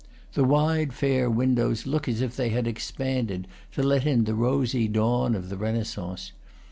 The wide, fair windows look as if they had expanded to let in the rosy dawn of the Renaissance.